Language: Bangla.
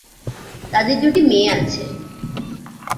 তাদের দুইটি মেয়ে আছে।